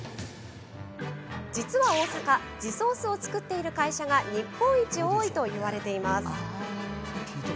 実は大阪地ソースを作っている会社が日本一多いといわれています。